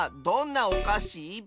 どんなおかし？